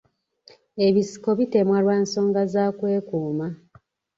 Ebisiko bitemebwa lwa nsonga za kwekuuma.